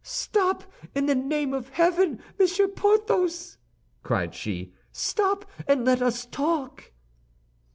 "Stop, in the name of heaven, Monsieur Porthos!" cried she. "Stop, and let us talk."